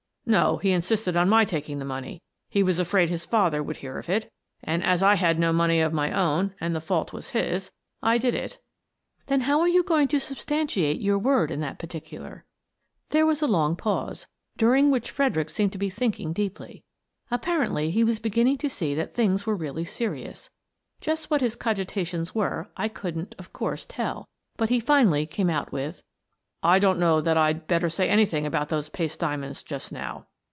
"" No. He insisted on my taking the money — he was afraid his father would hear of it — and, as I had no money of my own, and the fault was his, I did it." " Then how are you going to substantiate your word in that particular? " There was a long pause, during which Fredericks 138 Miss Frances Baird, Detective seemed to be thinking deeply. Apparently he was beginning to see that things were really serious. Just what his cogitations were, I couldn't, of course, tell, but he finally came out with :" I don't know that I'd better say anything about those paste diamonds just now.